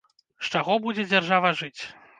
З чаго будзе дзяржава жыць?